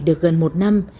được gần một năm